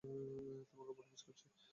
তোমাকে বড্ড মিস করেছি।